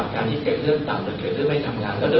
การที่เกร็ดเลือดต่ำเกิดเลือดไม่สำหรับ